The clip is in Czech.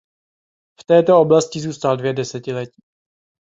V této oblasti zůstal dvě desetiletí.